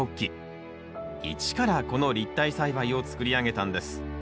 一からこの立体栽培を作り上げたんです。